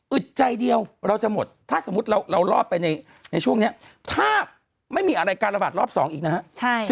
อึดใจเดียวเราจะหมดรอบไปในช่วงนี้ถ้าไม่มีอะไรกดระบาดรอบ๒อีกนะฮะ